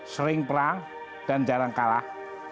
sering perang dan jarang kalah